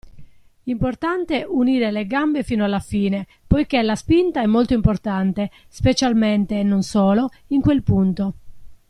Importante unire le gambe fino alla fine, poichè la spinta è molto importante specialmente (e non solo) in quel punto.